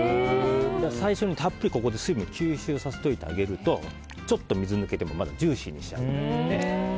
最初にたっぷりここで水分吸収させておいてあげるとちょっと水が抜けてもまだジューシーに仕上がる。